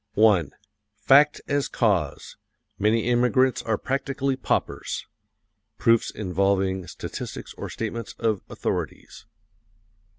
FACT AS CAUSE: Many immigrants are practically paupers. (Proofs involving statistics or statements of authorities.)